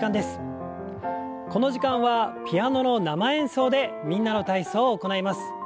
この時間はピアノの生演奏で「みんなの体操」を行います。